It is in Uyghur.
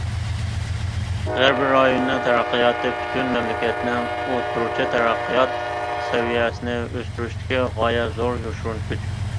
غەربىي رايوننىڭ تەرەققىياتى پۈتۈن مەملىكەتنىڭ ئوتتۇرىچە تەرەققىيات سەۋىيەسىنى ئۆستۈرۈشتىكى غايەت زور يوشۇرۇن كۈچ.